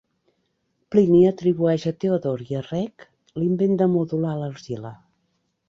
Plini atribueix a Teodor i a Rec l'invent de modular l'argila.